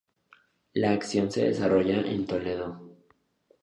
La acción se desarrolla en Toledo.